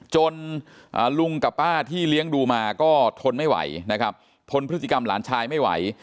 จนลุงกับป้าที่เลี้ยงดูมาก็ทนไม่ไหวนะครับทนพฤติกรรมหลานชายไม่ไหว